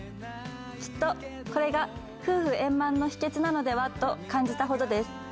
きっとこれが夫婦円満の秘けつなのではと感じたほどです。